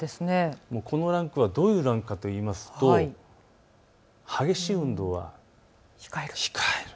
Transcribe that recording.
このランクはどういうランクかというと激しい運動は控える。